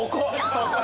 そこ。